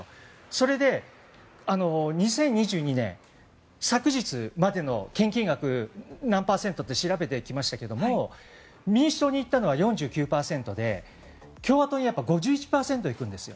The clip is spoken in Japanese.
それで、２０２２年昨日までの献金額、何パーセントって調べてきましたけれども民主党にいったのは４９％で共和党に５１％いくんです。